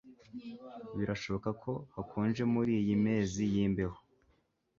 Birashoboka ko hakonje muriyi mezi yimbeho